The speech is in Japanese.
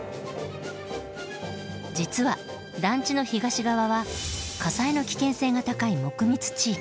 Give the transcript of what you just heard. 実は団地の東側は火災の危険性が高い木密地域。